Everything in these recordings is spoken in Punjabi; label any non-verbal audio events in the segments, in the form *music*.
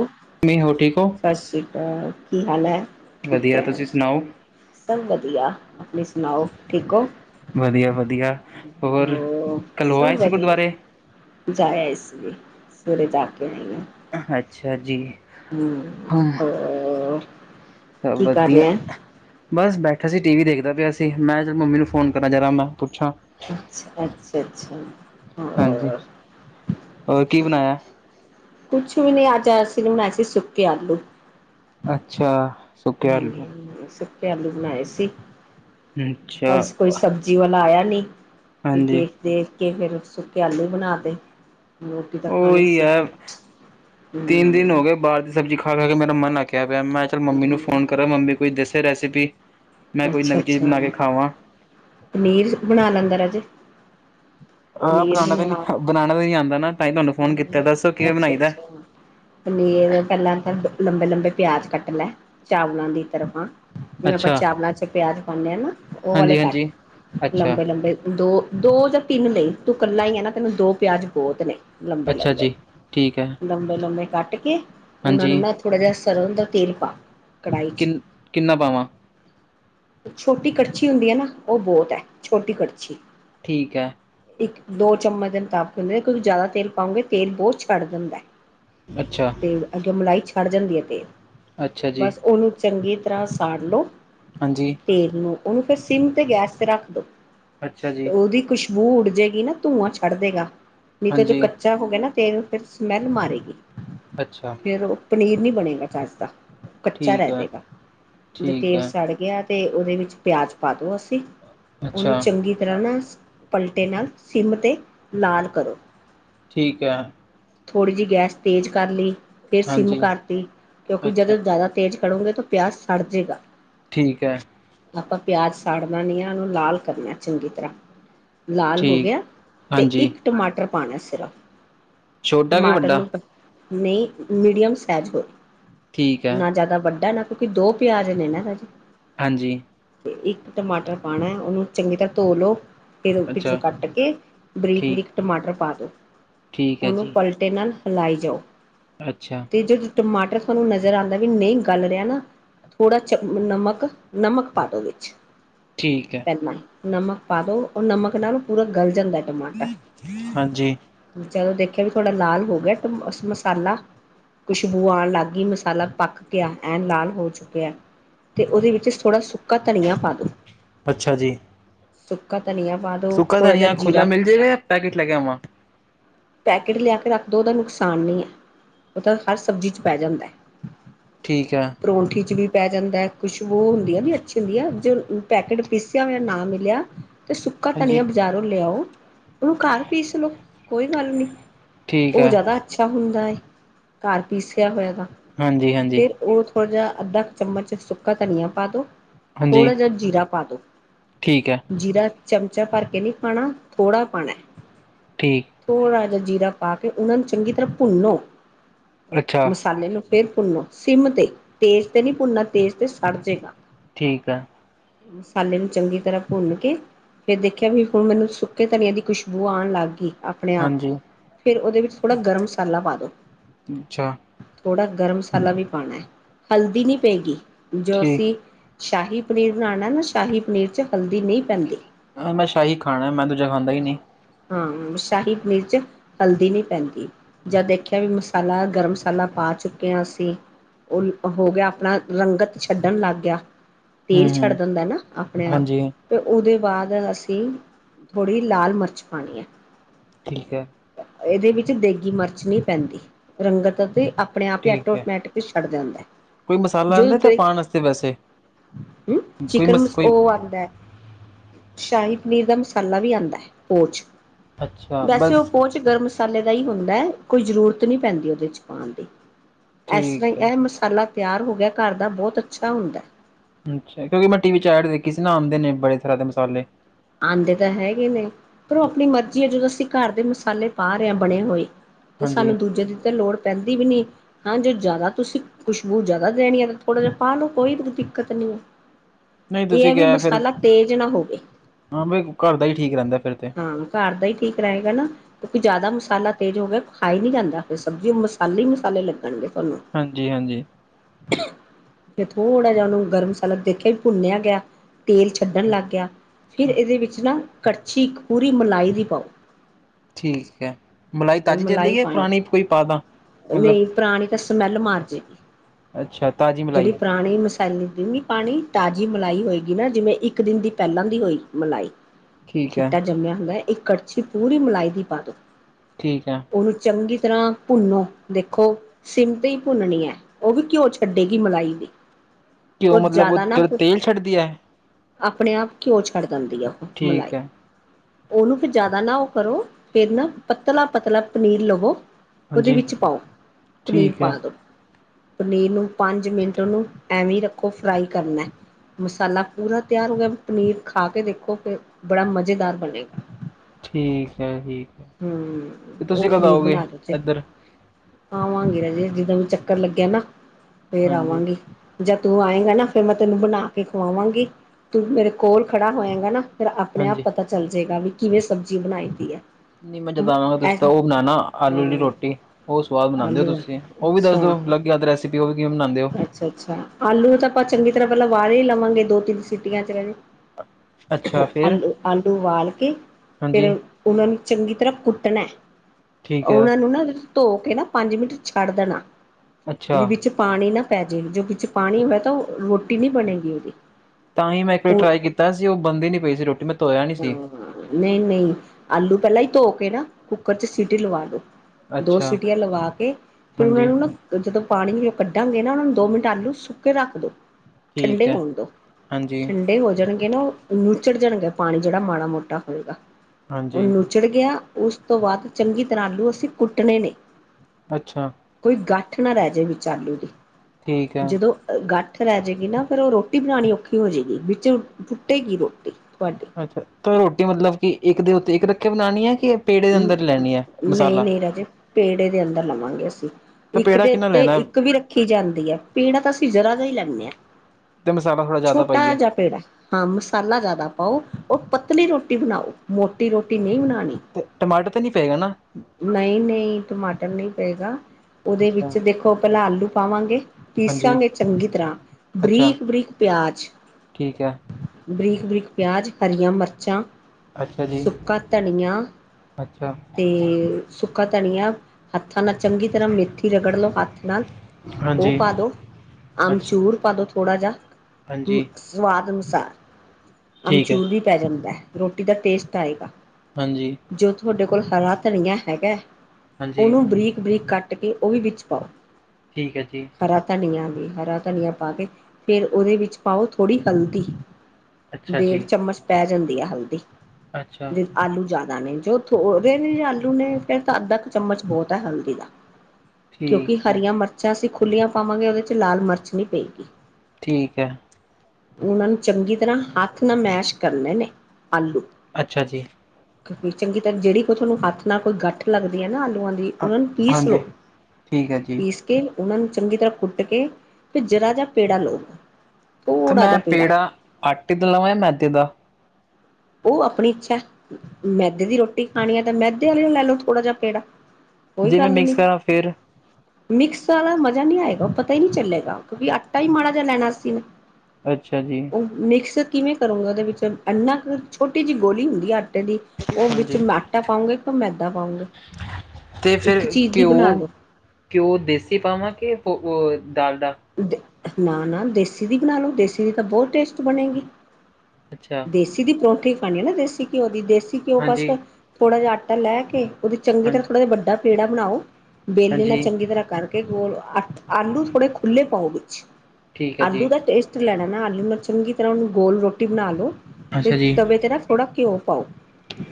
ਹੈ *unintelligible* ਮੀ ਹੋ ਠੀਕ ਓ। ਸਸ ਸ੍ਰੀ ਕਾਲ ਕੀ ਹਾਲ ਐ। ਵਦੀਆ, ਤੁਸੀਂ ਸੁਣਾਓ? ਸਭ ਵਦੀਆ, ਆਪਣੀ ਸੁਣਾਓ ਠੀਕ ਓ? ਵਦੀਆ-ਵਦੀਆ ਹੋਰ ਕਲ ਓ ਆਏ ਸੀ ਗੁਰਦੁਆਰੇ। ਜਾ ਆਇਆ ਇਸ ਲਈ ਸਵੇਰੇ ਜਾ ਕੇ ਆਈ ਆ। ਅੱਛਾ ਜੀ, ਹੂੰ, ਹੋਰ ਸਭ ਕੀ ਕਰ ਵਧੀਆ। ਰਹੇ ਹੈ ਬਸ ਬੈਠਾ ਸੀ ਟੀ ਵੀ ਦੇਖਦਾ ਪਿਆ ਸੀ ਮੈਂ ਚਲ ਮੰਮੀ ਨੂੰ ਫੋਨ ਕਰਾਂ ਯਾਰ ਮੈਂ ਪੁੱਛਾਂ ਅੱਛਾ ਅੱਛਾ ਅੱਛਾ। ਹਾਂਜੀ ਹੋਰ ਹੋਰ ਕੀ ਬਣਾਇਆ। ਕੁਛ ਵੀ ਨੀ, ਆਜ ਆਯਾ ਸੀ ਮੈਂ ਸੀਗਾ ਮੈਸੇਜ ਸੁੱਕੇ ਆਲੂ। ਅੱਛਾ। ਸੁੱਕੇ ਆਲੂ ਹੂੰ, ਸੁੱਕੇ ਆਲੂ ਬਣਾਏ ਸੀ। ਅੱਛਾ ਕੋਈ ਸਬਜ਼ੀ ਵਾਲਾ ਆਇਆ ਨੀ, ਤੇ ਹਾਂਜੀ ਦੇਖ-ਦੇਖ ਕੇ ਫੇਰ ਸੁੱਕੇ ਆਲੂ ਬਣਾ ਤੇ। ਰੋਟੀ ਤਾਂ ਖਾਣੀ ਉਹੀ ਸੀ ਐ, ਤਿੰਨ ਦਿਨ ਹਮ ਹੋ ਗਏ ਬਾਹਰ ਦੀ ਸਬਜ਼ੀ ਖਾ-ਖਾ ਕੇ ਮੇਰਾ ਮਨ ਅਕਿਆ ਪਿਆ ਮੈਂ ਫੇਰ ਮੰਮੀ ਨੂੰ ਹੂੰ, ਫੋਨ ਕਰਾ, ਮੰਮੀ ਕੋਈ ਦੱਸੇ ਰੈਸਪੀ ਮੈਂ ਕੋਈ ਨਵੀਂ ਚੀਜ਼ ਬਣਾ ਅੱਛਾ-ਅੱਛਾ ਕੇ ਖਾਵਾਂ। ਪਨੀਰ ਬਣਾ ਲੈਂਦਾ ਰਾਜੇ। ਆਹ ਪਨੀਰ ਬਣਾਣਾ ਤਾਂ ਨੀ, ਬਣਾ ਬਣਾਣਾ ਤਾਂ ਨੀ ਆਂਦਾ ਨਾ ਤਾਂ ਹੀ ਤੁਆਨੂੰ ਫੋਨ ਕੀਤਾ ਦੱਸੋ ਕਿਵੇਂ ਬਣਾਈ ਦਾ। ਅੱਛਾ-ਅੱਛਾ ਪਨੀਰ ਪਹਿਲਾਂ ਤਾਂ ਲੰਬੇ-ਲੰਬੇ ਪਿਆਜ ਕੱਟ ਲੈ ਚਾਵਲਾਂ ਦੀ ਤਰਫਾ ਜਿਵੇਂ ਅਪਾਂ ਅੱਛਾ ਚਾਵਲਾਂ ਚ ਪਿਆਜ ਪਾਉਂਦੇ ਆ ਨਾ ਉਹ ਵਾਲੇ ਹਾਂਜੀ ਕੱਟ ਹਾਂਜੀ ਅੱਛਾ ਲੰਬੇ-ਲੰਬੇ ਦੋ ਦੋ ਜਾਂ ਤਿੰਨ ਲਈ ਤੂੰ ਇਕੱਲਾ ਈ ਐ ਨਾ ਤੈਨੂੰ ਦੋ ਪਿਆਜ ਬਹੁਤ ਨੇ। ਲੰਬੇ ਅੱਛਾ ਲੰਬੇ, ਜੀ ਠੀਕ ਹੈ ਲੰਬੇ ਲੰਬੇ ਕੱਟ ਕੇ ਉਹਨਾ ਨੂੰ ਹਾਂਜੀ ਮੈਂ ਥੋੜਾ ਜਾ ਸਰ੍ਹੋਂ ਦਾ ਤੇਲ ਪਾ ਕੜਾਈ ਚ ਕਿੰਨ ਕਿੰਨਾ ਪਾਵਾਂ ਛੋਟੀ ਕੜਛੀ ਹੁੰਦੀ ਐ ਨਾ ਉਹ ਬਹੁਤ ਐ ਛੋਟੀ ਕੜਛੀ ਠੀਕ ਐ, ਇੱਕ ਦੋ ਚਮਚ ਦੇ ਮੁਤਾਬਕ ਹੁੰਦੇ ਨੇ ਤੁਸੀਂ ਜ਼ਿਆਦਾ ਤੇਲ ਪਾਉਂਗੇ ਤੇਲ ਬਹੁਤ ਛੱਡ ਦਿੰਦਾ। ਅੱਛਾ, ਅੱਗੇ ਮਲਾਈ ਛੱਡ ਜਾਂਦੀ ਐ ਤੇਲ ਅੱਛਾ ਜੀ ਬਸ ਉਹਨੂੰ ਚੰਗੀ ਤਰ੍ਹਾਂ ਸਾੜ ਲਓ। ਹਾਂਜੀ, ਤੇਲ ਨੂੰ ਉਹਨੂੰ ਫੇਰ ਸਿਮ ਤੇ ਗੈਸ ਤੇ ਰੱਖ ਦੋ ਅੱਛਾ ਜੀ ਉਹਦੀ ਖੁਸ, ਬੂ ਉਡ ਜੇਗੀ ਨਾ ਧੂੰਆਂ ਛੱਡ ਦੇਗਾ ਨਹੀਂ ਤਾਂ ਜੋ ਹਾਂਜੀ ਕੱਚਾ ਹੋ ਗਿਆ ਨਾ ਤੇਲ ਫਿਰ ਸਮੈਲ ਮਾਰੇਗੀ। ਅੱਛਾ, ਫਿਰ ਓ ਪਨੀਰ ਨੀ ਬਣੇਗਾ ਚੱਜ਼ ਦਾ ਕੱਚਾ ਠੀਕ ਰਹਿ ਹੈ ਜੇਗ ਠੀਕ ਤੇਲ ਹੈ ਸਾੜ ਕੇ। ਗਿਆ ਤੇ ਉਹਦੇ ਵਿੱਚ ਪਿਆਜ ਪਾ ਦੋ ਅਸੀਂ ਉਹਨੂੰ ਅੱਛਾ ਚੰਗੀ ਤਰ੍ਹਾਂ ਨਾ ਪਲਟੇ ਨਾਲ ਸਿੰਮ 'ਤੇ ਲਾਲ ਕਰੋ। ਠੀਕ ਆ। ਥੋੜ੍ਹੀ ਜਿਹੀ ਗੈਸ ਤੇਜ਼ ਕਰ ਲਈ ਫਿਰ ਸਿੰਮ ਹਾਂਜੀ ਕਰ ਤੀ ਕਿਉਂਕਿ ਅੱਛਾ ਜਦੋਂ ਜ਼ਿਆਦਾ ਤੇਜ਼ ਕਰੋਗੇ ਤਾਂ ਪਿਆਜ਼ ਸੜ ਜੇਗਾ। ਠੀਕ ਐ, ਆਪਾਂ ਪਿਆਜ਼ ਸਾੜਨਾ ਨੀ ਆ ਉਹਨੂੰ ਲਾਲ ਕਰਨੀਨਾ ਚੰਗੀ ਤਰ੍ਹਾਂ। ਲਾਲ ਹੋ ਠੀਕ ਗਿਆ ਤੇ ਹਾਂਜੀ ਇੱਕ ਟਮਾਟਰ ਪਾਣਾ ਸਿਰਫ ਛੋਟਾ ਕਿ ਟਮਾਟਰ ਵੱਡਾ ਨੂੰ ਨਹੀਂ ਮੀਡੀਅਮ ਸਾਈਜ਼ ਠੀਕ ਹੋਵੇ ਹੈ ਨਾ ਜ਼ਿਆਦਾ ਵੱਡਾ ਨਾ ਕਿਉਂਕਿ ਦੋ ਪਿਆਜ ਨੇ ਨਾ ਜੀ। ਹਾਂਜੀ, ਤੇ ਇੱਕ ਟਮਾਟਰ ਪਾਉਣਾ ਉਹਨੂੰ ਚੰਗੀ ਤਰ੍ਹਾਂ ਧੋ ਲਓ। ਇਹ ਪਿੱਛੋਂ ਅੱਛਾ ਕੱਟ ਕੇ ਬਰੀਕ ਠੀਕ ਬਰੀਕ ਟਮਾਟਰ ਪਾ ਦਿਉ। ਠੀਕ ਹੈ ਉਹਨੂੰ ਜੀ ਪਲਟੇ ਨਾਲ ਹਿਲਾਈ ਜਾਓ। ਅੱਛਾ, ਤੇ ਜੋ ਟਮਾਟਰ ਤੁਹਾਨੂੰ ਨਜ਼ਰ ਆਂਦਾ ਵੀ ਨਹੀਂ ਗਲ ਰਿਹਾ ਨਾ। ਥੋੜ੍ਹਾ ਚ ਨਮਕ ਨਮਕ ਪਾ ਦੋ ਵਿੱਚ ਠੀਕ ਐ, ਨਮਕ ਪਾ ਦੋ ਉਹ ਨਮਕ ਨਾਲੋਂ ਪੂਰਾ ਗਲ ਜਾਂਦਾ ਟਮਾਟਰ। ਹਾਂਜੀ, ਜਦੋ ਦੇਖਿਆ ਵੀ ਥੋੜਾ ਲਾਲ ਹੋ ਗਿਆ ਮਸਾਲਾ। ਖੁਸ਼ਬੂ ਆਉਣ ਲਾਗ ਗਈ ਮਸਾਲਾ ਪੱਕ ਕ ਐਨ ਲਾਲ ਹੋ ਚੁੱਕਿਆ ਅਤੇ ਉਹਦੇ ਵਿੱਚ ਥੋੜ੍ਹਾ ਸੁੱਕਾ ਧਨੀਆ ਪਾ ਦਿਉ ਅੱਛਾ ਜੀ ਸੁੱਕਾ ਧਨੀਆ ਪਾ ਦੋ ਥੋੜਾ ਜਹਾ ਜੀਰਾ ਪੈਕਟ ਲੈ ਕੇ ਆਵਾਂ ਪੈਕੇਟ ਲਿਆ ਕੇ ਰੱਖ ਦੋ ਉਹਦਾ ਨੁਕਸਾਨ ਨਹੀਂ ਐ ਉਹ ਤਾਂ ਹਰ ਸਬਜ਼ੀ ਚ ਪੈ ਜਾਂਦਾ। ਠੀਕ ਆ। ਪਰੌਂਠੀ 'ਚ ਵੀ ਪੈ ਜਾਂਦਾ ਕੁਛ ਓ ਹੁੰਦੀ ਆ ਵੀ ਅੱਛੀ ਹੁੰਦੀ ਆ ਜ ਪੈਕੇਟ ਪੀਸਿਆ ਹੋਇਆ ਨਾ ਮਿਲਿਆ। ਤੇ ਸੁੱਕਾ ਹਾਂਜੀ ਧਨੀਆ ਬਜ਼ਾਰੋਂ ਲਿਆਓ ਉਹਨੂੰ ਘਰ ਪੀਸ ਲਓ। ਕੋਈ ਗੱਲ ਨੀ ਠੀਕ ਉਹ ਹੈ ਜ਼ਿਆਦਾ ਅੱਛਾ ਹੁੰਦਾ ਐ ਘਰ ਪੀਸਿਆ ਹੋਇਆ ਤਾਂ। ਹਾਂਜੀ ਹਾਂਜੀ, ਉਹ ਥੋੜਾ ਜਿਹਾ ਅੱਧਾ ਚਮਚ ਸੁੱਕਾ ਧਨੀਆ ਪਾ ਦੋ। ਹਾਂਜੀ ਥੋੜਾ ਜਿਹਾ ਜੀਰਾ ਪਾ ਦੋ ਠੀਕ ਹੈ ਜੀਰਾ ਚਮਚਾ ਭਰ ਕੇ ਨਹੀਂ ਪਾਣਾ ਥੋੜ੍ਹਾ ਪਾਣਾ। ਠੀਕ। ਥੋੜ੍ਹਾ ਜਿਹਾ ਜੀਰਾ ਪਾ ਕੇ ਉਹਨਾਂ ਨੂੰ ਚੰਗੀ ਤਰ੍ਹਾਂ ਭੁੰਨੋ ਅੱਛਾ ਮਸਾਲੇ ਨੂੰ ਫੇਿਰ ਭੁੰਨੋ ਸਿਮ ਤੇ ਤੇਜ਼ ਤੇ ਨਹੀਂ ਭੁੰਨਾਨਾ ਤੇਜ਼ ਤੇ ਸੜ ਜਾੇਗਾ ਠੀਕ ਹੈ। ਮਸਾਲੇ ਨੂੰ ਚੰਗੀ ਤਰ੍ਹਾਂ ਭੁੰਨ ਕੇ ਫਿਰ ਦੇਖਿਆ ਵੀ ਹੁਣ ਮੈਨੂੰ ਸੁੱਕੇ ਧਨੀੀਆਂ ਦੀ ਖੁਸ਼ਬੂ ਆਉਣ ਲੱਗ ਗਈ ਆਪਣੇ ਆਪ ਹਾਂਜੀ ਫਿਰ ਉਹਦੇ ਵਿੱਚ ਥੋੜ੍ਹਾ ਗਰਮ ਮਸਾਲਾ ਪਾ ਦੋ ਅੱਛਾ ਥੋੜ੍ਹਾ ਗਰਮ ਮਸਾਲਾ ਵੀ ਪਾਉਣਾ ਹੈ ਹਲਦੀ ਨੀ ਪਏਗੀ ਜੋ ਠੀਕ ਅਸੀਂ ਸ਼ਾਹੀ ਪਨੀਰ ਬਣਾਉਣਾ ਨਾ ਸ਼ਾਹੀ ਪਨੀਰ ਚ ਹਲਦੀ ਨਹੀਂ ਪੈਂਦੀ ਆਹ ਮੈਂ ਸ਼ਾਹੀ ਖਾਣਾ ਮੈਂ ਦੂਜਾ ਖਾਂਦਾ ਹੀ ਨਹੀਂ ਹਾਂ ਸ਼ਾਹੀ ਪਨੀਰ ਚ ਹਲਦੀ ਨੀ ਪੈਂਦੀ ਜਾਂ ਦੇਖਿਆ ਵੀ ਮਸਾਲਾ ਗਰਮ ਮਸਾਲਾ ਪਾ ਚੁੱਕੇ ਹਾਂ ਅਸੀਂ ਉਹ ਹੋ ਗਿਆ ਆਪਣਾ ਰੰਗਤ ਛੱਡਣ ਲੱਗ ਗਿਆ ਹੂੰ ਤੇਲ ਛੱਡ ਹੂੰ ਦਿੰਦਾ ਨਾ ਆਪਣੇ ਆਪ ਹਾਂਜੀ ਅਤੇ ਉਹਦੇ ਬਾਅਦ ਅਸੀਂ ਥੋੜ੍ਹੀ ਲਾਲ ਮਿਰਚ ਪਾਉਣੀ ਹੈ ਠੀਕ ਹ ਇਹਦੇ ਵਿੱਚ ਦੇਗੀ ਮਿਰਚ ਨਹੀਂੀ ਪੈਂਦੀ ਰੰਗਤ ਅਤੇ ਆਪਣੇ ਆਪ ਹੀ ਠੀਕ ਹੈ ਆਟੋਮੈਟਿਕਲੀ ਛੱਡਦੇ ਹੁੰਦਾ ਕੋਈ ਮਸਾਲਾ ਜ ਆਉਂਦਾ ਤੇ ਤੋਂ ਪਾਉਣ ਵਾਸਤੇ ਵੈਸੇ ਹਮ ਕੋਈ ਮਸ ਚਿਕਨਸ ਕੋਈ ਉਹ ਆਉਂਦਾ ਹੈ ਸ਼ਾਹੀ ਪਨੀਰ ਦਾ ਮਸਾਲਾ ਵੀ ਆਉਂਦਾ ਹੈ ਉਹਹ ਚ ਅੱਛਾ ਵੈਸੇ ਉਹ ਬਸ ਪੋ ਚ ਗਰਮ ਮਸਾਲੇ ਦਾ ਹੀ ਹੁੰਦਾ ਹੈ ਕੋਈ ਜ਼ਰੂਰਤ ਨਹੀਂ ਪੈਂਦੀ ਉਹਦੇ ਚ ਪਾਉਣ ਦੀ ਇਸ ਤਰ੍ਹਾਂ ਠੀਕ ਹੈ ਇਹ ਮਸਾਲਾ ਤਿਆਰ ਹੋ ਗਿਆ ਘਰ ਦਾ ਬਹੁਤ ਅੱਛਾ ਹੁੰਦਾ ਅੱਛਾ ਕਿਉਂਕਿ ਮੈਂ ਟੀ ਵੀ ਚ ਐਡ ਦੇਖੀ ਸੀ ਨਾ ਆਉਂਦੇ ਨੇ ਬੜੇ ਤਰ੍ਹਾਂ ਦੇ ਮਸਾਲੇ ਆਉਂਦੇ ਤਾਂ ਹੈਗੇ ਨੇ ਪਰ ਉਹ ਆਪਣੀ ਮਰਜ਼ੀ ਆ ਜਦੋਂ ਅਸੀਂ ਘਰ ਦੇ ਮਸਾਲੇ ਪਾ ਰਹੇ ਹਾਂ ਬਣੇ ਹੋਏ ਤੇ ਹਾਂਜੀ ਸਾਨੂੰ ਦੂਜੇ ਦੀ ਤਾਂ ਲੋੜ ਪੈਂਦੀ ਵੀ ਨੀ ਹਾਂ ਜੋ ਜ਼ਿਆਦਾ ਤੁਸੀਂ ਖੁਸ਼ਬੂ ਜ਼ਿਆਦਾ ਦੇਣੀ ਆ ਤਾਂ ਥੋੜ੍ਹਾ ਜਿਹਾ ਪਾ ਲੋ ਕੋਈ ਦਿੱਕਤ ਨਹੀਂ ਹੈ ਨਹੀਂ ਇਹ ਆ ਤੁਸੀਂ ਵੀ ਕਿਹਾ ਫਿਰ ਮਸਾਲਾ ਤੇਜ਼ ਨਾ ਹੋਵੇ ਹਾਂ ਬਈ ਘਰ ਦਾ ਹੀ ਠੀਕ ਰਹਿੰਦਾ ਫਿਰ ਤੇ। ਹਾਂ ਘਰ ਦਾ ਹੀ ਠੀਕ ਰਹੇਗਾ ਨਾ ਕਿਉਂਕਿ ਜ਼ਿਆਦਾ ਮਸਾਲਾ ਤੇਜ਼ ਹੋ ਗਿਆ ਖਾ ਹੀ ਨੀ ਜਾਂਦਾ ਫਿਰ ਸਬਜ਼ੀ ਉਹ ਮਸਾਲੇ ਹੀ ਮਸਾਲੇ ਲੱਗਣਗੇ ਤੁਹਾਨੂੰ ਹਾਂਜੀ ਹਾਂਜੀ ਫ ਥੋੜਾ ਜਿਹਾ ਉਹਨੂੰ ਗਰਮ ਮਸਾਲਾ ਦੇਖਿਆ ਵੀ ਭੁੰਨਿਆ ਗਿਆ ਤੇਲ ਛੱਡਣ ਲੱਗ ਗਿਆ ਫਿਰ ਇਹਦੇ ਵਿੱਚ ਨਾ ਕੜਛੀ ਪੂਰੀ ਮਲਾਈ ਦੀ ਪਾਓ ਠੀਕ ਹੈ ਮਲਾਈ ਤਾਜ਼ੀ ਚੱਲੀ ਹੈ ਪੁਰਾਣੀ ਕੋਈ ਪਾਦਾ ਨਹੀਂ ਮਤਲਬ ਪੁਰਾਣੀ ਤਾਂ ਸਮੈਲ ਮਾਰਜੇਗੀ ਅੱਛਾ ਤਾਜ਼ੀ ਜਿਹੜੀ ਮਲਾਈ ਪੁਰਾਣੀ ਪਹਿਲੇ ਦੀ ਤਾਜ਼ੀ ਮਲਾਈ ਹੋਏਗੀ ਨਾ ਜਿਵੇਂ ਇੱਕ ਦਿਨ ਦੀ ਪਹਿਲਾਂ ਦੀ ਹੋਈ ਮਲਾਈ ਠੀਕ ਹੈ ਖਿੱਟਾ ਜੰਮਿਆ ਹੁੰਦਾ ਹੈ ਇੱਕ ਕੜਛੀ ਪੂਰੀ ਮਲਾਈ ਦੀ ਪਾ ਦਿਉ ਠੀਕ ਹੈ ਉਹਨੂੰ ਚੰਗੀ ਤਰ੍ਹਾਂ ਭੁੰਨੋ ਦੇਖੋ, ਸਿਮ ਤੇ ਹੀ ਭੁੰਨਣੀ ਹੈ ਉਹ ਵੀ ਘਿਓ ਛੱਡੇਗੀ ਮਲਾਈ ਦੀ ਘਿਓ ਮਤਲਬ ਤੇਲ ਛੱਡਦੀ ਹ ਆਪਣੇ ਆਪ ਘਿਓ ਛੱਡ ਦਿੰਦੀ ਹੈ ਉਹ ਮਲਾਈ ਠੀਕ ਹੈ ਉਹਨੂੰ ਫ ਜ਼ਿਆਦਾ ਨਾ ਉਹ ਕਰੋ ਫੇਿਰ ਨਾ ਪਤਲਾ ਪਤਲਾ ਪਨੀਰ ਲਵੋ ਉਹਦੇ ਹਾਂਜੀ ਵਿੱਚ ਪਾਓ ਪਨੀਰ ਠੀਕ ਹੈ ਪਾ ਦਿੋ ਪਨੀਰ ਨੂੰ ਪੰਜ ਮਿੰਟ ਉਹਨੂੰ ਐਵੇਂ ਰੱਖੋ ਫਰਾਈ ਕਰਨਾ ਮਸਾਲਾ ਪੂਰਾ ਤਿਆਰ ਹੋ ਗਿਆ ਪਨੀਰ ਖਾ ਕੇ ਦੇਖੋ ਫੇਰ ਬੜਾ ਮਜ਼ੇਦਾਰ ਬਣੇਗਾ। ਠੀਕ ਹੈ ਠੀਕ ਹੈ ਹਮ ਤੇ ਤੁਸੀਂ ਕਦ ਆਓਗੇ ਇੱਧਰ *unintelligible* ਆਵਾਂਗੀ ਰਾਜੇ ਜਦੋਂ ਵੀ ਚੱਕਰ ਲੱਗਿਆ ਨਾ ਫੇਰ ਹਾਂਜੀ ਆਵਾਂਗੀ। ਜਾਂ ਤੂੰ ਆਏਂਗਾ ਨਾ ਫੇਰ ਮੈਂ ਤੈਨੂੰ ਬਣਾ ਕੇ ਖਵਾਵਾਂਗੀ ਤੂੰ ਮੇਰੇ ਕੋਲ ਖੜਾ ਹੋਏਂਗਾ ਨਾ, ਫੇਰ ਆਪਣੇ ਆਪ ਹਾਂਜੀ ਪਤਾ ਚੱਲ ਜਾਏਗਾ ਵੀ ਕਿਵੇਂ ਸਬਜ਼ੀ ਬਣਾਈ ਦੀ ਏ। ਨਹੀਂ ਮੈਂ ਜਦ ਆਵਾਂਗਾ ਤੁਸੀਂ ਤਾਂ ਉਹ ਬਣਾਣਾ ਆਲੂੀ ਵਾਲੀ ਹਾਂ ਰੋਟੀ। ਉਹ ਸਵਾਦ ਬਨਾਂਦੇ ਹੋ ਆਲੂ ਤੁਸੀਂ ਉਹ ਵੀ ਦੱਸ ਅੱਛਾ। ਦਿਓ ਲੱਗੇ ਹਾਥ ਰੈਸਪੀ ਓਹ ਵੀ ਕਿਵੇਂ ਬਣਾਂਦੇ ਔ। ਅੱਛਾ ਅੱਛਾ ਆਲੂ ਤਾਂ ਆਪਾਂ ਚੰਗੀ ਤਰ੍ਹਾਂ ਪਹਿਲਾਂ ਉਬਾਲ ਹੀ ਲਵਾਂਗੇ ਦੋ ਤਿੰਨ ਸੀਟੀਆਂ 'ਚ ਵੈਸੇ, *unintelligible* ਫਿਰ ਆਲੂ ਆਲੂ ਉਬਾਲ ਕੇ ਫੇਰ ਹਾਂਜੀ ਰ ਉਨਾਂ ਨੂੰ ਚੰਗੀ ਤਰ੍ਹਾਂ ਕੁੱਟਣਾ। ਠੀਕ ਹੈ ਉਨਾਂ ਨੂੰ ਨਾ ਧੋ ਕੇ ਨਾ ਪੰਜ ਮਿੰਟ ਛੱਡ ਦੇਣਾ ਅੱਛਾ ਉਹਦੇ ਵਿੱਚ, ਪਾਣੀ ਨਾ ਪੈ ਜੇ ਓਦੇ ਵਿਚ ਪਾਣੀ ਹੋਵੇ ਤਾਂ ਉਹ ਰੋਟੀ ਨਹੀਂ ਬਣੇਗੀ ਉਹਦੀ। ਤਾਂ ਹੀ ਮੈਂ ਇੱਕ ਵਾਰੀ ਉਹ ਟਰਾਈ ਕੀਤਾ ਸੀ ਉਹ ਬਣਦੀ ਨੀ ਪਈ ਸੀ ਰੋਟੀ ਮੈਂ ਧੋਇਆ ਨਹੀਂ ਹਾਂ ਸੀ ਨਹੀਂ ਨਹੀਂ ਆਲੂ ਪਹਿਲਾਂ ਈ ਧੋ ਕੇ ਨਾ ਕੁੱਕਰ ਚ ਸੀਟੀ ਲਵਾ ਲੋ। ਦੋ ਅੱਛਾ ਸੀਟੀਆਂ ਲਵਾ ਕੇ ਫੇਰ ਉਹਨਾਂ ਹਾਂਜੀ ਨੂੰ ਨਾ, ਜਦੋਂ ਪਾਣੀ ਉਹ ਕੱਢਾਂਗੇ ਨਾ ਨੂ ਦੋ ਮਿੰਟ ਆਲੂ ਸੁੱਕੇ ਰੱਖ ਦੋ। ਠੀਕ ਠੰਡੇ ਹੈ ਹੋਣ ਦੋ ਹਾਂਜੀ ਠੰਡੇ ਹੋ ਜਾਣਗੇ ਨਾ, ਉਹ ਨੂੰੱਚੜ ਜਾਣਗੇ ਪਾਣੀ ਜਿਹੜਾ ਮਾੜਾ ਮੋਟਾ ਹੋਏਗਾ ਹਾਂਜੀ ਉਹਨੂੰ ਨੂੰਚੜ ਗਿਆ ਉਸ ਤੋਂ ਬਾਅਦ ਚੰਗੀ ਤਰ੍ਹਾਂ ਆਲੂ ਅਸੀਂ ਕੁੱਟਣੇ ਨੇ। ਅੱਛਾ। ਕੋਈ ਗੱਠ ਨਾ ਰਹਿ ਜੇ ਵਿਚ ਆਲੂ ਦੇ ਠੀਕ ਹੈ ਜਦੋਂ ਗੱਠ ਰਹਿ ਜੇਗੀ ਨਾ ਫੇਰ ਉਹ ਰੋਟੀ ਬਣਾਉਣੀ ਔਖੀ ਹੋਜੇਗੀ ਵਿੱਚ ਟੁੱਟੇਗੀ ਰੋਟੀ ਤੁਵਾਡੀ। ਅੱਛਾ ਤਾਂ ਰੋਟੀ ਮਤਲਬ ਕਿ ਇੱਕ ਦੇ ਉੱਤੇ ਇੱਕ ਰੱਖ ਕੇ ਬਣਾਉਣੀ ਹੈ ਕਿ ਪੇੜੇ ਦੇ ਅੰਦਰ ਲੈਣੀ ਹੈ ਨਹੀਂ ਮਸਾਲਾ? ਨਹੀਂ ਰਾਜੇ ਪੇੜੇ ਦੇ ਅੰਦਰ ਲਵਾਂਗੇ ਅਸੀਂ। ਤਾਂ ਇੱਕ ਪੇੜਾ ਦਿਨ ਕਿੰਨਾ ਤੇ ਲੈਣਾ ਇੱਕ ਵੀ ਰੱਖੀ ਜਾਂਦੀ ਹੈ ਪੇੜਾ ਤਾਂ ਅਸੀਂ ਜ਼ਰਾ ਜਾ ਈ ਲੈਣੇ ਆਂ। ਅਤੇ ਮਸਾਲਾ ਥੋੜ੍ਹਾ ਜ਼ਿਆਦਾ ਛੋਟਾ ਪਾਈਏ ਜਾਂ ਪੇੜਾ। ਹਾਂ ਮਸਾਲਾ ਜ਼ਿਆਦਾ ਪਾਓ ਔਰ ਪਤਲੀ ਰੋਟੀ ਬਣਾਓ ਮੋਟੀ ਰੋਟੀ ਨੀ ਬਨਾਨੀ। ਤੇ ਟਮਾਟਰ ਤੇ ਨੀ ਪਏਗਾ ਨਾ? ਨਹੀਂ ਨਹੀਂ ਟਮਾਟਰ ਨਹੀਂ ਪਏਗਾ ਉਹਦੇ ਵਿੱਚ ਅੱਛਾ ਦੇਖੋ ਪਹਿਲਾਂ ਆਲੂ ਪਾਵਾਂਗੇ, ਹਾਂਜੀ ਪੀਸਾਂਗੇ ਚੰਗੀ ਤਰ੍ਹਾਂ ਅੱਛਾ ਬਰੀਕ ਬਰੀਕ ਪਿਆਜ਼, ਠੀਕ ਹੈ ਬਰੀਕ ਬਰੀਕ ਪਿਆਜ਼ ਹਰੀਆਂ ਮਿਰਚਾਂ ਅੱਛਾ ਜੀ ਸੁੱਕਾ ਧਨੀਆ, ਅੱਛਾ। ਤੇ ਸੁੱਕਾ ਧਨੀਆ ਹੱਥਾਂ ਨਾਲ ਚੰਗੀ ਤਰ੍ਹਾਂ ਮੇਥੀ ਰਗੜ ਲੋ ਹੱਥ ਨਾਲ, ਉਹ ਹਾਂਜੀ ਪਾ ਦੋ ਅੱਛਾ ਅਮਚੂਰ ਪਾ ਦੋ ਥੋੜ੍ਹਾ ਜਾ, ਹਾਂਜੀ ਸਵਾਦ ਅਨੁਸਾਰ, ਠੀਕ ਹੈ ਅਮਚੂਰ ਵੀ ਪੈ ਜਾਂਦਾ ਹੈ, ਰੋਟੀ ਦਾ ਟੇਸਟ ਤਾ ਆਏਗਾ। ਹਾਂਜੀ। ਜੋ ਤੁਹਾਡੇ ਕੋਲ ਹਰਾ ਧਨੀਆ ਹੈਗਾ, ਹਾਂਜੀ ਉਹਨੂੰ ਬਰੀਕ ਬਰੀਕ ਕੱਟ ਕੇ ਉਹ ਵੀ ਵਿੱਚ ਪਾਓ। ਠੀਕ ਹੈ ਜੀ ਹਰਾ ਧਨੀਆ ਵੀ ਹਰਾ ਧਨੀਆ ਪਾ ਕੇ, ਫੇਰ ਉਹਦੇ ਵਿੱਚ ਪਾਓ ਥੋੜ੍ਹੀ ਹਲਦੀ ਅੱਛਾ ਡੇਢ ਜੀ ਚਮਚ ਪੈ ਜਾਂਦੀ ਆ ਹਲਦੀ, ਅੱਛਾ ਨ ਆਲੂ ਜ਼ਿਆਦਾ ਨਹੀਂ ਜੋ ਥੋੜੇ ਨੇ ਆਲੂ ਨੇ ਫਿਰਰ ਤਾਂ ਅੱਧਾ ਕੁ ਚਮਚ ਬਹੁਤ ਹੈ ਹਲਦੀ ਦਾ ਕਿਉਂਕਿ ਠੀਕ ਹੈ ਹਰੀਆਂ ਮਿਰਚਾਂ ਅਸੀਂ ਖੁੱਲੀਆਂ ਪਾਵਾਂਗੇ ਉਹਦੇ ਚ ਲਾਲ ਮਿਰਚ ਨੀ ਚਾਹੀ ਦੀ। ਠੀਕ ਹੈ। ਉਹਨਾਂ ਨੂੰ ਚੰਗੀ ਤਰ੍ਹਾਂ ਹੱਥ ਨਾਲ ਮੈਸ਼ ਕਰਨੇ ਨੇ ਆਲੂ। ਅੱਛਾ ਜੀ। ਚੰਗੀ ਤਰਾਂ ਜੇੜੀ ਕੁਛ ਓਹਨੂੰ ਹੱਥ ਨਾਲ ਕੋਈ ਗਠ ਲੱਗਦੀ ਹੈ ਨਾ ਆਲੂਆਂ ਨੂੰ, ਉਹਨਾ ਨੂੰ ਪੀਸ ਲੋ ਹਾਂਜੀ ਠੀਕ ਹੈ ਜੀ ਪੀਸ ਫੇਰ ਉਹਨਾਂ ਨੂੰ ਚੰਗੀ ਤਰ੍ਹਾਂ ਕੁੱਟ ਕੇ ਤੇ ਜਰਾ ਜਾ ਪੇੜਾ ਲੋ, ਤੇ ਮੈਂ ਪੇੜਾ ਆਟੇ ਦਾ ਲਵਾਂ ਯਾ ਮੈਦੇ ਦਾ? ਉਹ ਆਪਣੀ ਇੱਛਾ ਮੈਦੇ ਦੀ ਰੋਟੀ ਖਾਣੀ ਹੈ ਤਾਂ ਮੈਦੇ ਆਲੇ ਦਾ ਲੈ ਲਓ ਥੋੜ੍ਹਾ ਜਿਹਾ ਪੇੜਾ। ਕੋਈ ਜੇ ਮੈਂ ਗੱਲ ਮਿਕਸ ਨੀ। ਕਰਾਂ ਫਿਰ ਮਿਕਸ ਵਾਲਾ ਮਜ਼ਾ ਨੀ ਆਏਗਾ ਉਸ, ਪਤਾ ਹੀ ਨਹੀਂ ਚੱਲੇਗਾ ਕਿਉਂਕਿ ਆਟਾ ਹੀ ਮਾੜਾ ਜਿਹਾ ਲੈਣਾ ਸੀਂ ਨਾ ਅੱਛਾ ਜੀ ਉਹ ਮਿਕਸ ਕਿਵੇਂ ਕਰੋਗੇ, ਉਹਦੇ ਵਿੱਚ ਅੰਨਾ ਛੋਟੀ ਜਿਹੀ ਗੋਲੀ ਹੁੰਦੀ ਆ ਆਟੇ ਦੀ ਉਹ ਵਿੱਚ ਹਾਂਜੀ ਆਟਾ ਪਾਉਂਗੇ ਮੈਦਾ ਪਾਉਂਗੇ, ਤੇ ਫਿਰ ਇੱਕ ਚੀਜ਼ ਦੀ ਘਿਓ ਬਣਾ ਲਓ ਘਿਓ ਦੇਸੀ ਪਾਵਾਂ ਕਿ ਡਾਲਡਾ ਦਾ ਦੇ ਨਾ ਨਾ ਦੇਸੀ ਦੀ ਬਣਾ ਲਓ, ਦੇਸੀ ਦੀ ਤਾਂ ਬਹੁਤ ਟੇਸਟ ਬਣੇਗੀ ਅੱਛਾ ਦੇਸੀ ਦੀ ਪਰੌਂਠੀ ਖਾਣੀ ਹੈ ਨਾ ਦੇਸੀ ਘਿਓ ਦੀ, ਦੇਸੀ ਘਿਓ ਬਸ ਹਾਂਜੀ ਥੋੜ੍ਹਾ ਜਿਹਾ ਆਟਾ ਲੈ ਕੇ ਉਹਦੀ ਚੰਗੀ ਤਰ੍ਹਾਂ ਹਾਂਜੀ ਥੋੜ੍ਹਾ ਜਹਾ ਵੱਡਾ ਪੇੜਾ ਬਣਾਓ ਵੇਲੇਨੇ ਨਾਲ ਹਾਂਜੀ ਚੰਗੀ ਤਰ੍ਹਾਂ ਕਰਕੇ ਗੋਲ ਅੱਟ ਆਲੂ ਥੋੜੇ ਖੁੱਲ੍ਹੇ ਪਾਓ ਵਿੱਚ ਠੀਕ ਹੈ ਜੀ ਆਲੂ ਦਾ ਟੇਸਟ ਲੈਣਾ ਨਾ ਆਲੂ ਮਿ ਚੰਗੀ ਤਰ੍ਹਾਂ ਉਹਨੂੰ ਗੋਲ ਰੋਟੀ ਬਣਾ ਲਉ ਤੇ ਅੱਛਾ ਜੀ ਤਵੇ ਤੇ ਨਾ ਥੋੜ੍ਹਾ ਘਿਉਂ ਪਾਓ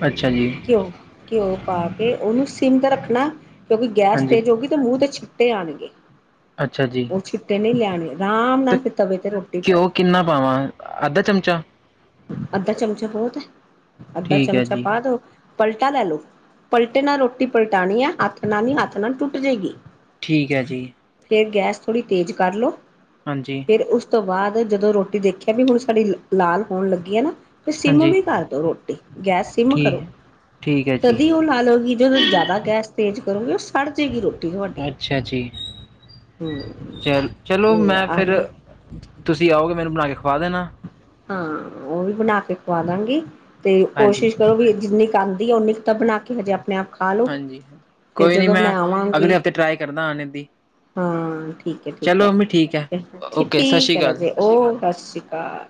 ਅੱਛਾ ਜੀ ਘਿਓ, ਘਿਓ ਪਾ ਕੇ ਉਹਨੂੰ ਸਿਮ ਤੇ ਰੱਖਣਾ ਕਿਉਂਕਿ ਗੈਸ ਹਾਂਜੀ ਤੇ ਜੋ ਕਿ ਅਤੇ ਮੂੰਹ ਤੇ ਛਿੱਟੇ ਆਉਣਗੇ ਅੱਛਾ ਜੀ, ਆਰਾਮ ਤੇ ਨਾਲ ਫਿਰ ਤਵੇ ਤੇ ਰੋਟੀ ਪਾਓ ਘਿਓ ਕਿੰਨਾ ਪਾਵਾਂ ਅੱਧਾ ਚਮਚਾ ਅੱਧਾ ਚਮਚਾ ਬਹੁਤ ਏ, ਅੱਧਾ ਠੀਕ ਹੈ ਚਮਚਾ ਜੀ ਪਾ ਦੋ ਪਲਟਾ ਲੈ ਲੋ, ਪਲਟੇ ਨਾਲ ਰੋਟੀ ਪਲਟਾਣੀ ਹੈ ਹੱਥ ਨਾਲ ਨਹੀਂ ਹੱਥ ਨਾਲ ਟੁੱਟ ਜਾਏਗੀ ਠੀਕ ਏ ਜੀ ਫਿਰ ਗੈਸ ਥੋੜ੍ਹੀ ਤੇਜ਼ ਕਰ ਲਉ ਹਾਂਜੀ ਫਿਰ ਉਸ ਤੋਂ ਬਾਅਦ ਜਦੋਂ ਰੋਟੀ ਦੇਖਿਆ ਵੀ ਹੁਣ ਸਾਡੀ ਲਾਲ ਹੋਣ ਲੱਗੀ ਆ ਨਾ ਫ ਸਿੰਮ ਹਾਂਜੀ ਵੀ ਕਰ ਦਿਉ ਰੋਟੀ ਗੈਸ ਸਿਮ ਕਰੋ ਠੀਕ ਠੀਕ ਹੈ ਜੀ ਤਦੀ ਉਹ ਲਾ ਲਓ ਗੀ, ਜਦੋਂ ਜ਼ਿਆਦਾ ਗੈਸ ਤੇਜ਼ ਕਰੋਗੀ ਉਹ ਸੜ ਜਾਵੇਗੀ ਰੋਟੀ ਤੁਹਾਡੀ ਅੱਛਾ ਜੀ, ਹਮ ਚਲ ਚਲੋ ਤੇ ਮੈਂ ਫਿਰ ਆਲੂ ਤੁਸੀਂ ਆਓਗੇ ਮੈਨੂੰ ਬਣਾ ਕੇ ਖਵਾ ਦੇਣਾ ਹਾਂ ਉਹ ਵੀ ਬਣਾ ਕੇ ਖਵਾ ਦਾਂਗੀ ਤੇ ਹਾਂਜੀ ਕੋਸ਼ਿਸ਼ ਕਰੋ ਵੀ ਜਿੰਨੀ *unintelligible* ਓਨੀ ਕੁ ਤਾਂ ਬਣਾ ਕੇ ਹਜੇ ਆਪਣੇ ਆਪ ਖਾ ਲੋ ਹਾਂਜੀ, ਫਿਰ ਕੋਈ ਨੀ ਜਦੋਂ ਮੈਂ ਅਗਲੇ ਆਵਾਂਗੀ ਹਫ਼ਤੇ ਟਰਾਈ ਕਰਦਾ ਆਣੇ ਦੀ ਹਾਂ, ਠੀਕ ਏ ਠੀਕ ਚਲੋ ਮੰਮੀ ਠੀਕ ਹੈ ਏ ਓਕੇ ਸਤਿ ਠੀਕ ਸ਼੍ਰੀ ਐ ਅਕਾਲ ਰਾਜੇ ਓ ਸਤਿ ਸ਼੍ਰੀ ਅਕਾਲ